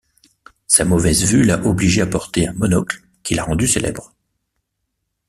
Sa mauvaise vue l'a obligé à porter un monocle, qui l'a rendu célèbre.